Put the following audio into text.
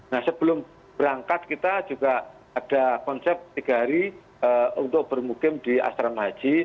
nah sebelum berangkat kita juga ada konsep tiga hari untuk bermukim di asrama haji